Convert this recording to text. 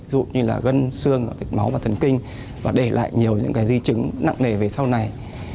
dù như là gân xương vệch máu và thần kinh và để lại nhiều những cái di chứng nặng nề về sau này